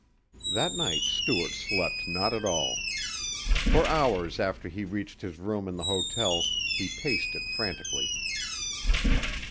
That night Stuart slept not at all. For hours after he reached his room in the hotel he paced it frantically.